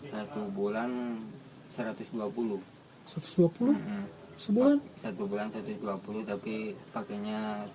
satu bulan satu ratus dua puluh